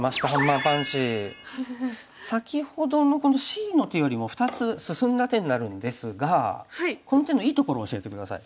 先ほどのこのＣの手よりも２つ進んだ手になるんですがこの手のいいところを教えて下さい。